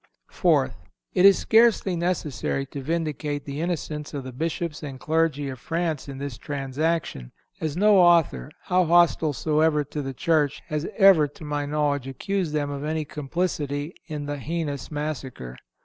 Fourth—It is scarcely necessary to vindicate the innocence of the Bishops and clergy of France in this transaction, as no author, how hostile soever to the Church, has ever, to my knowledge, accused them of any complicity in the heinous massacre.